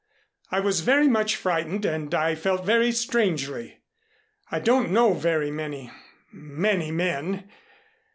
I was very much frightened and I felt very strangely. I don't know very many many men.